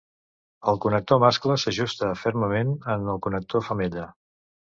El connector mascle s'ajusta fermament en el connector femella.